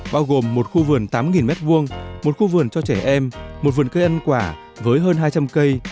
bao gồm một khu vườn tám m hai một khu vườn cho trẻ em một vườn cây ăn quả với hơn hai trăm linh cây